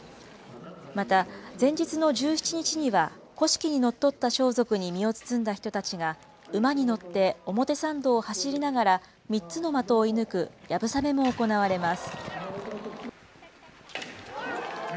また、前日の１７日には、古式にのっとった装束に身を包んだ人たちが、馬に乗って表参道を走りながら、３つの的を射抜く、流鏑馬も行われます。